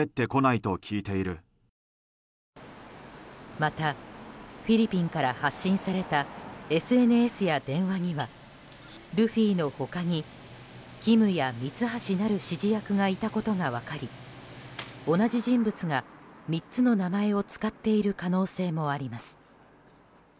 またフィリピンから発信されたＳＮＳや電話にはルフィの他にキムやミツハシなる指示役がいたことが分かり同じ人物が３つの名前を使っている可能性もあります。